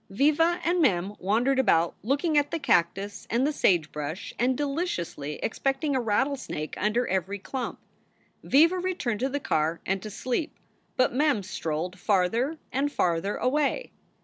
Viva and Mem wandered about, looking at the cactus and the sagebrush and deliciously expecting a rattlesnake SOULS FOR SALE 79 under every clump. Viva returned to the car and to sleep, but Mem strolled farther and farther away.